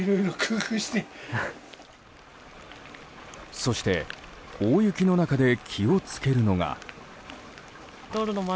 そして、大雪の中で気を付けるのが。